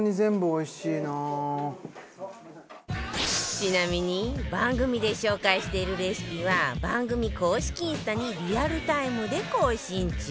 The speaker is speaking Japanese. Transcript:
ちなみに番組で紹介しているレシピは番組公式インスタにリアルタイムで更新中